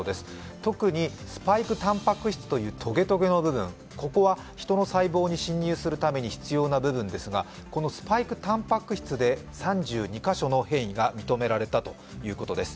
特にスパイクたんぱく質というトゲトゲの部分、ここはヒトの細胞に侵入するめたに必要な部分ですがこのスパイクたんぱく質で３２カ所の変異が認められたということです。